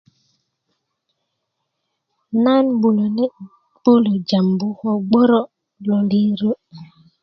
nan bulöni bulö jambu ko gboro lo lijo